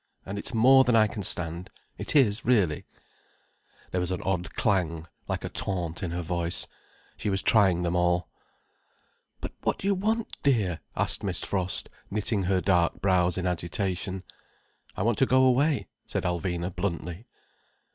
And it's more than I can stand. It is, really." There was an odd clang, like a taunt, in her voice. She was trying them all. "But what do you want, dear?" asked Miss Frost, knitting her dark brows in agitation. "I want to go away," said Alvina bluntly.